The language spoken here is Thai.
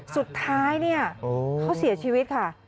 สุดท้ายเขาเสียชีวิตค่ะ